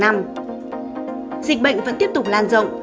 dịch bệnh vẫn tiếp tục lan rộng